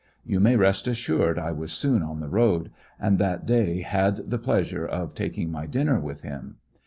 You may rest assured I was soon on the road, and that day had the pleas ure of taking my dinner with him.